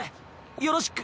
よろしく。